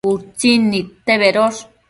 Utsin nidte bedosh